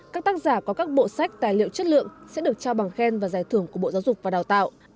các tác giả có các bộ sách tài liệu chất lượng sẽ được trao bằng khen và giải thưởng của bộ giáo dục và đào tạo